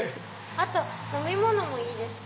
あと飲み物もいいですか。